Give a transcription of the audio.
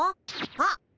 あっ。